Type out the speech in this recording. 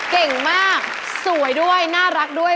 เก่งมากสวยด้วยน่ารักด้วย